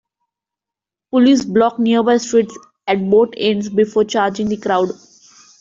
Police blocked nearby streets at both ends before charging the crowd.